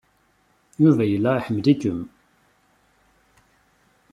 Yuba yella iḥemmel-ikem.